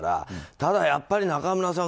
ただやっぱり、中村さん